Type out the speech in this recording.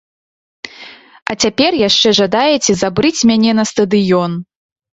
А цяпер яшчэ жадаеце забрыць мяне на стадыён!